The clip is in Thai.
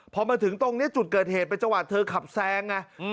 พอมาถึงตรงนี้จุดเกิดเหตุปรุบจังหวัดเธอกลับแซงเนีย